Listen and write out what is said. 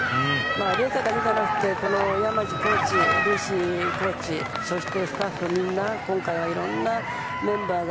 麗華だけじゃなくてコーチやそしてスタッフみんな今回はいろんなメンバーが。